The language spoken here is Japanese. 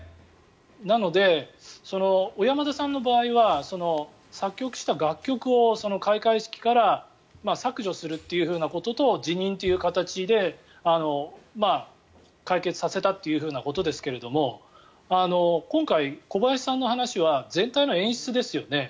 なので、小山田さんの場合は作曲した楽曲を開会式から削除するということと辞任という形で解決させたということですけれど今回、小林さんの話は全体の演出ですよね。